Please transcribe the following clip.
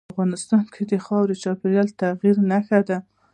افغانستان کې خاوره د چاپېریال د تغیر نښه ده.